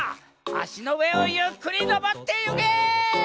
あしのうえをゆっくりのぼってゆけ！